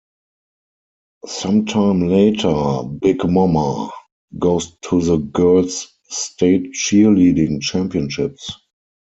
Sometime later, Big Momma goes to the girls' state cheerleading championships.